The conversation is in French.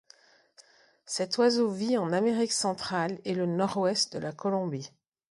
Cet oiseau vit en Amérique centrale et le nord-ouest de la Colombie.